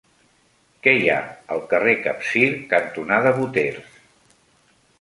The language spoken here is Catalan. Què hi ha al carrer Capcir cantonada Boters?